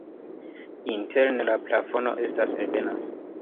Interne la plafono estas ebena.